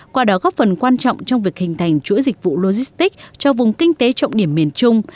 qua đó góp phần quan trọng trong việc hình thành chuỗi dịch vụ logistics cho vùng kinh tế trọng điểm miền trung